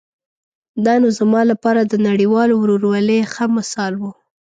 دا نو زما لپاره د نړیوال ورورولۍ ښه مثال و.